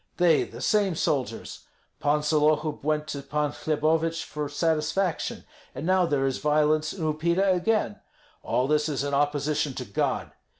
They, the same soldiers. Pan Sollohub went to Pan Hlebovich for satisfaction, and now there is violence in Upita again. All this is in opposition to God.